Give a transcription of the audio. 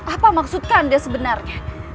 apa maksud kanda sebenarnya